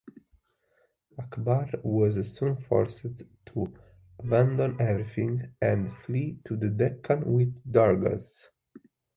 Akbar was soon forced to abandon everything and flee to the Deccan with Durgadas.